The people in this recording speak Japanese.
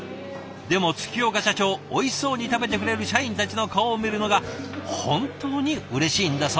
でも月岡社長おいしそうに食べてくれる社員たちの顔を見るのが本当にうれしいんだそう。